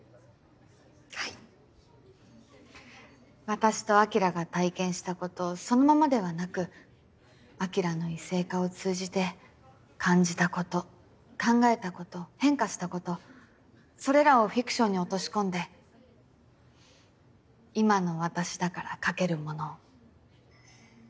私と晶が体験したことそのままではなく晶の異性化を通じて感じたこと考えたこと変化したことそれらをフィクションに落とし込んで今の私だから書けるものを。